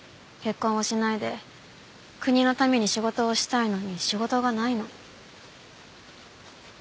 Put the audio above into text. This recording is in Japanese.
結婚をしないで国のために仕事をしたいのに仕事がないの。